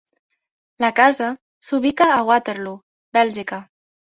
La Casa s'ubica a Waterloo, Bèlgica.